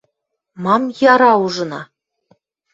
— Мам «Яра, ужына»?